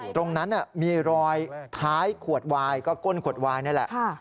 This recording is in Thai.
ตรงนั้นมีรอยท้ายขวดวายก็ก้นขวดวายนี่แหละ